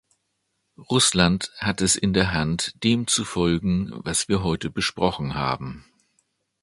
Russland hat es in der Hand, dem zu folgen, was wir heute besprochen haben.